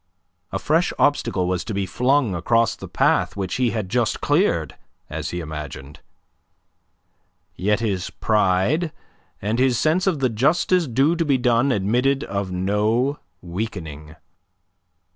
A fresh obstacle was to be flung across the path which he had just cleared, as he imagined. Yet his pride and his sense of the justice due to be done admitted of no weakening.